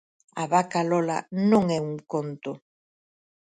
A vaca Lola non é un conto.